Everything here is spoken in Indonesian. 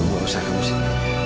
nggak usah kamu sini